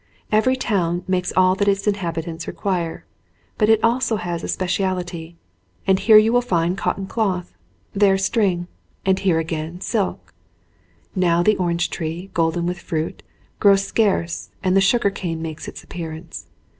Every town makes all that its inhabitants require, but it has also a speciality, and here you will find cotton cloth, there string, and here again silk. Now the orange tree, golden with fruit, grows scarce and the sugar cane makes its appearance.